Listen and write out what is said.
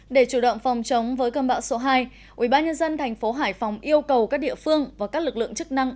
để chủ động phòng chống với cơn bão số hai ubnd tp hải phòng yêu cầu các địa phương và các lực lượng chức năng